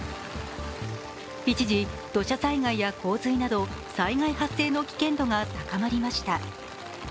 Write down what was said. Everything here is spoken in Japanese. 一時、土砂災害や洪水など災害の発生の危険度が高まりました。